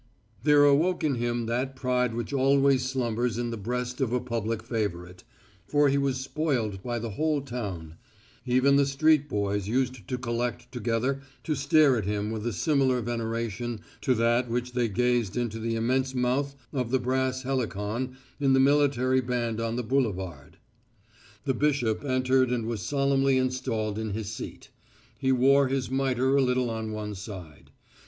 There awoke in him that pride which always slumbers in the breast of a public favourite, for he was spoilt by the whole town; even the street boys used to collect together to stare at him with a similar veneration to that with which they gazed into the immense mouth of the brass helicon in the military band on the boulevard. The bishop entered and was solemnly installed in his seat. He wore his mitre a little on one side.